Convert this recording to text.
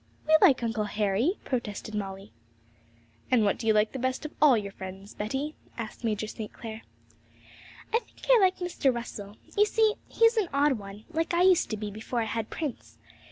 'We like Uncle Harry,' protested Molly. 'And who do you like the best of all your friends, Betty?' asked Major St. Clair. 'I think I like Mr. Russell. You see, he's an odd one, like I used to be before I had Prince.